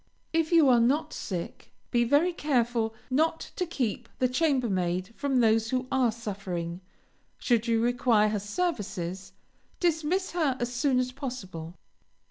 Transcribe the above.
If you are not sick, be very careful not to keep the chambermaid from those who are suffering; should you require her services, dismiss her as soon as possible.